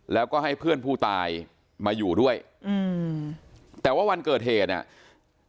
แล้วก็ให้เพื่อนผู้ตายมาอยู่ด้วยอืมแต่ว่าวันเกิดเหตุเนี่ย